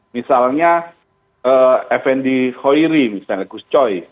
misalnya fnd hoiri misalnya gus coy